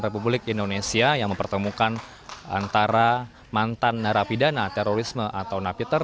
republik indonesia yang mempertemukan antara mantan narapidana terorisme atau napiter